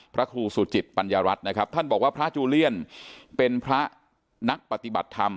พระครูสุจิตปัญญารัฐนะครับท่านบอกว่าพระจูเลียนเป็นพระนักปฏิบัติธรรม